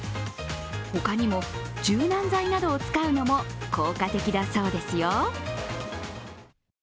他にも、柔軟剤などを使うのも効果的だそうですよ。